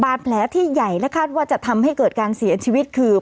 แผลที่ใหญ่และคาดว่าจะทำให้เกิดการเสียชีวิตคือ